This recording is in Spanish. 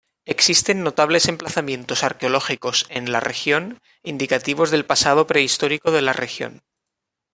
Existen notables emplazamientos arqueológicos en la región indicativos del pasado prehistórico de la región.